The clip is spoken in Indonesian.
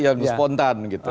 yang spontan gitu